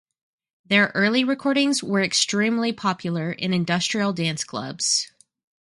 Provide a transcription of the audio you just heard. Their early recordings were extremely popular in industrial dance clubs.